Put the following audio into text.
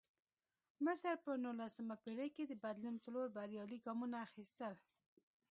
مصر په نولسمه پېړۍ کې د بدلون په لور بریالي ګامونه اخیستل.